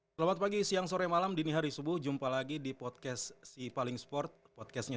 selamat pagi siang sore malam dini hari subuh jumpa lagi di podcast si paling sport podcastnya